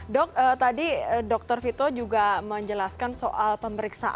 dok tadi dokter vito juga menjelaskan soal pemberian jantung